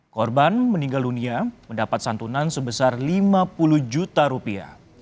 korban meninggal dunia mendapat santunan sebesar lima puluh juta rupiah